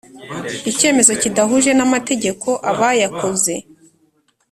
icyemezo kidahuje n amategeko aba yakoze